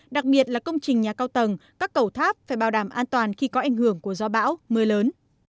đặc biệt là công trình nhà cao tầng các cầu tháp phải bảo đảm an toàn khi có ảnh hưởng của gió bão mưa lớn